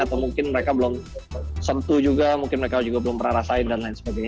atau mungkin mereka belum sentuh juga mungkin mereka juga belum pernah rasain dan lain sebagainya